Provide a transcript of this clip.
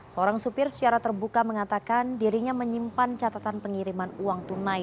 seorang supir secara terbuka mengatakan dirinya menyimpan catatan pengiriman uang tunai